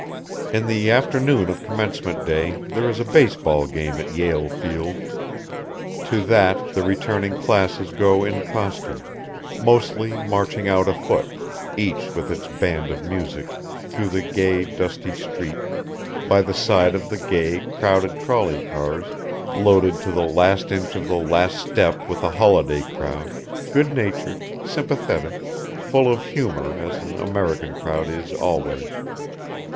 In the afternoon of commencement day there is a base ball game at Yale Field. To that the returning classes go in costume, mostly marching out afoot, each with its band of music, through the gay, dusty street, by the side of the gay, dusty street, by the side of the gay, crowded trolley cars loaded to the last inch of the last step with a holiday crowd, good natured, sympathetic, full of humor as an American crowd is always.